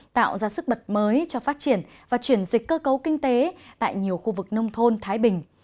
tạo ra sức bật mới cho phát triển và chuyển dịch cơ cấu kinh tế tại nhiều khu vực nông thôn thái bình